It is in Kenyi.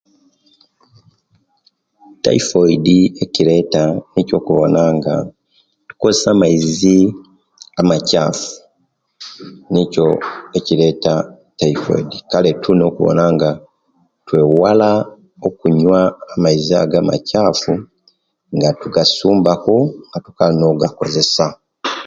Tifodi ekireta kubanga tukoyesiya amaizi amakyafu nokuo ekireta tifodi kale tulina okuwona nga twewala okunyuwa amazi ago amakyafu nga tugafumba ku nga tukali ogakozesa